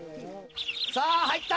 さぁ入った！